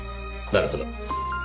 なるほど。